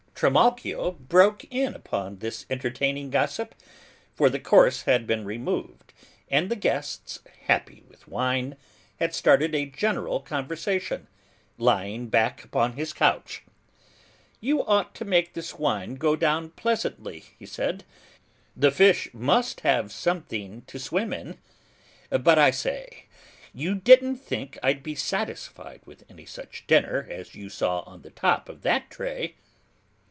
Trimalchio broke in upon this entertaining gossip, for the course had been removed and the guests, happy with wine, had started a general conversation: lying back upon his couch, "You ought to make this wine go down pleasantly," he said, "the fish must have something to swim in. But I say, you didn't think I'd be satisfied with any such dinner as you saw on the top of that tray?